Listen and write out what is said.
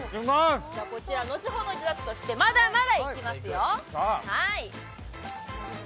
こちら後ほどいただくとして、まだまだいきますよ。